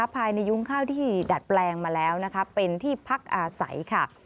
ภายในยุ้งข้าวที่ดัดแปลงมาแล้วนะคะเป็นที่พักอาศัยค่ะ